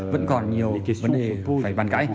vẫn còn nhiều vấn đề phải bàn cãi